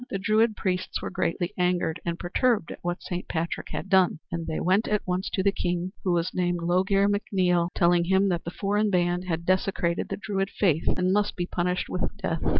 The Druid priests were greatly angered and perturbed at what Saint Patrick had done, and they went at once to the King, who was named Laoghaire MacNeill, telling him that the foreign band had desecrated the Druid faith and must be punished with death.